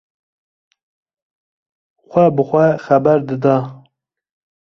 Xwe bi xwe xeber dida.